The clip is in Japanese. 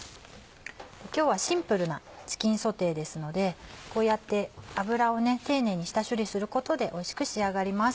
今日はシンプルなチキンソテーですのでこうやって脂を丁寧に下処理することでおいしく仕上がります。